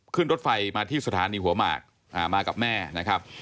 ขึ้นรถไฟมาที่สถานีหัวหมากมากับแม่นะครับ